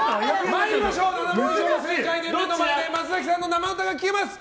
参りましょう、７問以上正解で目の前で松崎さんの生歌が聴けます。